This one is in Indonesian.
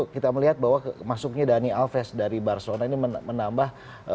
kita melihat bahwa masuknya dhani alves dari barcelona ini menambah